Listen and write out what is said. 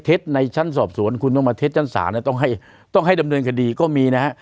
เท็จในชั้นอบศูอร์คุณต้องมาเท็จสารนะต้องให้ก็มีนะ